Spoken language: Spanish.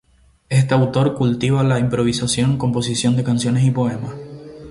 Este autor cultiva la improvisación, composición de canciones y poemas.